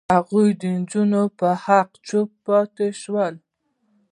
هغوی د نجونو پر حق چوپ پاتې شول.